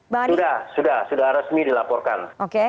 sudah sudah resmi dilaporkan